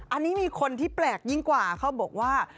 อันนี้มีคนที่แปลกยิ่งกว่าเขาบอกว่า